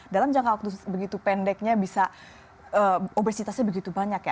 dalam jangka waktu begitu pendeknya bisa obesitasnya begitu banyak ya